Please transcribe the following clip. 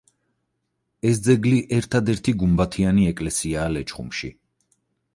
ეს ძეგლი ერთადერთი გუმბათიანი ეკლესიაა ლეჩხუმში.